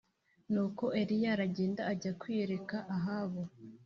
Nuko Eliya aragenda ajya kwiyereka Ahabu